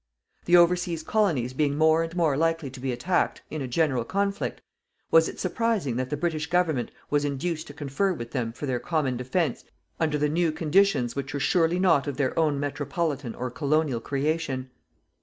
The overseas colonies being more and more likely to be attacked, in a general conflict, was it surprising that the British Government was induced to confer with them for their common defence under the new conditions which were surely not of their own metropolitan or colonial creation.